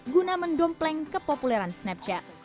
guna mendompleng kepopuleran snapchat